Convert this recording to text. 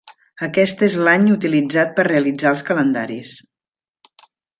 Aquest és l'any utilitzat per realitzar els calendaris.